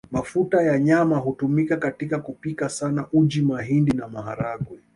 Mafuta ya nyama hutumika katika kupika sana uji mahindi na maharagwe